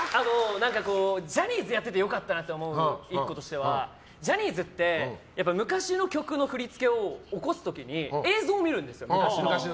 ジャニーズやってて良かったと思う１個としてはジャニーズって昔の曲の振り付けを起こす時にリハＶとかの映像を見るんですよ。